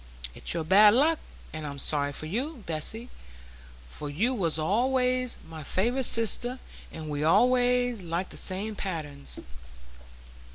It's your bad luck, and I'm sorry for you, Bessy; for you was allays my favourite sister, and we allays liked the same patterns."